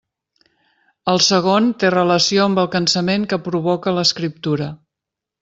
El segon, té relació amb el cansament que provoca l'escriptura.